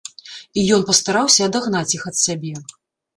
І ён пастараўся адагнаць іх ад сябе.